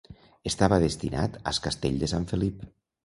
Estava destinat as Castell de Sant Felip.